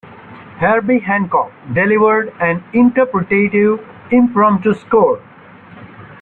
Herbie Hancock delivered an interpretative impromptu score.